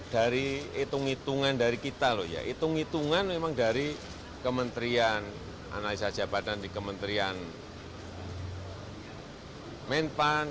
dari hitung hitungan dari kita loh ya hitung hitungan memang dari kementerian analisa jabatan di kementerian menpan